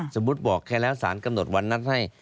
สมมุติบอกแค่แล้วสารกำหนดวันนั้นให้